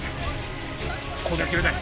ここでは切れない。